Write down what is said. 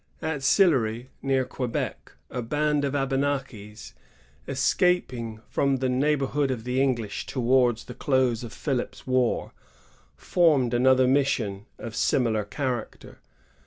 At Sillery, near Quebec, a band of Abenakis, escaping from the neighborhood of the English towards the close of Philip's War, formed another mission of similar character.